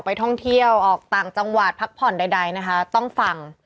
ท่องเที่ยวออกต่างจังหวัดพักผ่อนใดนะคะต้องฟัง